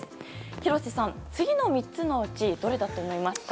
廣瀬さん、次の３つのうちどれだと思いますか？